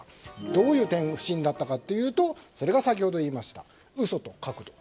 どういう点が不審だったかというとそれが先ほど言った嘘と角度。